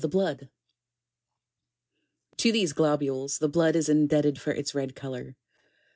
ht blood. 21. To these globules the blood is indebted for its red color.